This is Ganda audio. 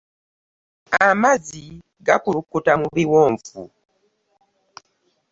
Amazzi gakulukuta mu biwonvu.